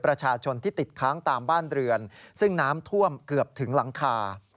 ประชาชนที่ติดค้างตามบ้านเรือนซึ่งน้ำท่วมเกือบถึงหลังคา